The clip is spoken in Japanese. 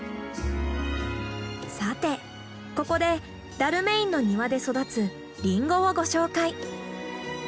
さてここでダルメインの庭で育つリンゴをご紹介。